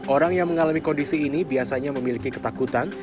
orang yang mengalami kondisi ini biasanya memiliki ketakutan